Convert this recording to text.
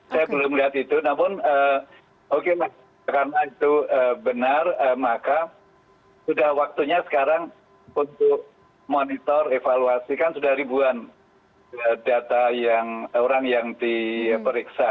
saya belum melihat itu namun oke lah karena itu benar maka sudah waktunya sekarang untuk monitor evaluasi kan sudah ribuan data orang yang diperiksa